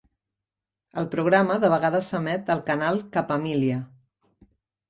El programa de vegades s'emet al canal Kapamilya.